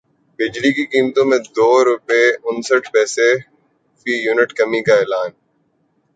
بجلی کی قیمتوں میں دو روپے انسٹھ پیسے فی یونٹ کمی کا امکان